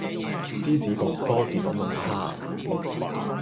芝士焗波士頓龍蝦